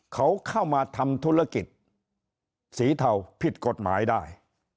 เขาเข้ามาทำธุรกิจสีเทาผิดกฎหมายได้